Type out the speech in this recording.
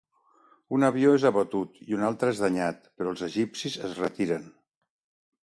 Un avió és abatut i un altre és danyat, però els egipcis es retiren.